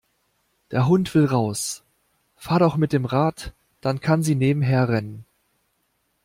Der Hund will raus. Fahr doch mit dem Rad, dann kann sie nebenher rennen.